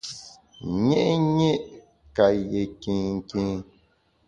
Nyé’nyé’ ka yé kinkin.